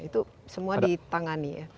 itu semua ditangani ya